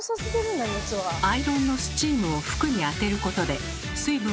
アイロンのスチームを服に当てることで水分を含んだ